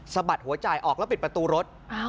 สะบัดหัวใจออกแล้วปิดประตูรถ